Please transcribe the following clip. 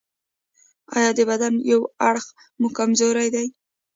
ایا د بدن یو اړخ مو کمزوری دی؟